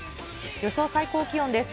予想最高気温です。